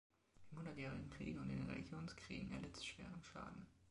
Im Hundertjährigen Krieg und in den Religionskriegen erlitt es schweren Schaden.